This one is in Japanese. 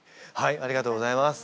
ありがとうございます。